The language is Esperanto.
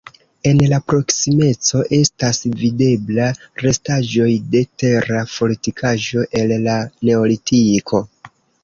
En la proksimeco estas videbla restaĵoj de tera fortikaĵo el la neolitiko.